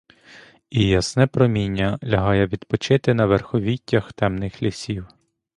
І ясне проміння лягає відпочити на верховіттях темних лісів.